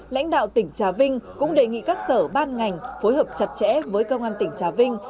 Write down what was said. lãnh đạo tỉnh trà vinh cũng đề nghị các sở ban ngành phối hợp chặt chẽ với công an tỉnh trà vinh